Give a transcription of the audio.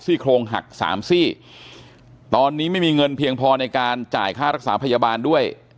โครงหักสามซี่ตอนนี้ไม่มีเงินเพียงพอในการจ่ายค่ารักษาพยาบาลด้วย